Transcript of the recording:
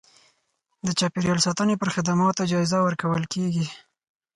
د چاپیریال ساتنې پر خدماتو جایزه ورکول کېږي.